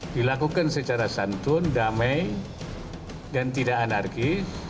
dilakukan secara santun damai dan tidak anarkis